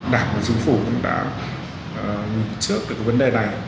đảng và chính phủ cũng đã nhìn trước được vấn đề này